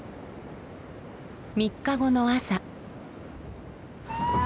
３日後の朝。